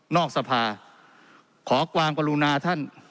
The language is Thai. นอกสภาขอกวางกลุ่นนาท่าน